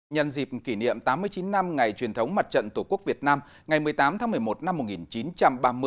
nhân dịp kỷ niệm tám mươi chín năm ngày truyền thống mặt trận tổ quốc việt nam ngày một mươi tám tháng một mươi một năm một nghìn chín trăm ba mươi